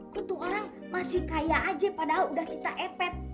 ketua orang masih kaya aja padahal udah kita epet